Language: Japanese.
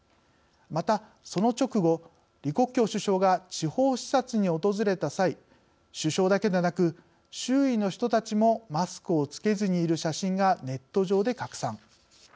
また、その直後、李克強首相が地方視察に訪れた際首相だけでなく、周囲の人たちもマスクを着けずにいる写真がネット上で拡散。